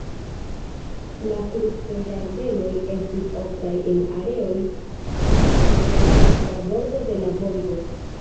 La fruktoĝardenoj estis oftaj en areoj de la dekstra bordo de la Volgo.